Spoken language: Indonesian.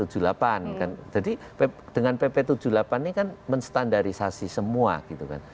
jadi dengan pp tujuh puluh delapan ini kan menstandarisasi semua gitu kan